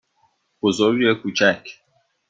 بزرگ یا کوچک؟